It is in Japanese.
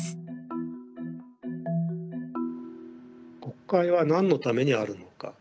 国会は何のためにあるのか。